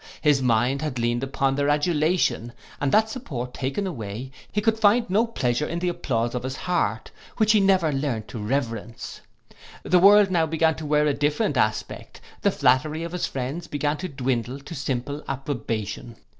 His mind had leaned upon their adulation, and that support taken away, he could find no pleasure in the applause of his heart, which he had never learnt to reverence. The world now began to wear a different aspect; the flattery of his friends began to dwindle into simple approbation.